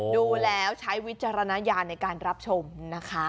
ดูแล้วใช้วิจารณญาณในการรับชมนะคะ